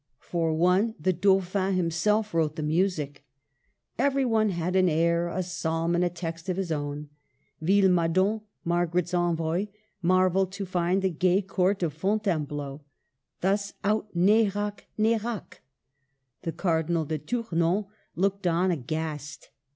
For one the Dauphin himself wrote the music. Every one had an air, a psalm, and a text of his own. Villemadon, Margaret's envoy, marvelled to find the gay Court of Fontainebleau thus out Nerac Nerac. The Cardinal de Tournon looked on aghast.